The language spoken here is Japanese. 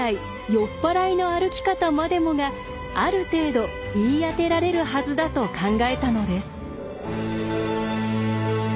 酔っ払いの歩き方までもがある程度言い当てられるはずだと考えたのです。